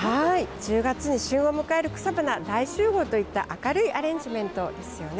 １０月に旬を迎える草花大集合といった明るいアレンジメントですよね。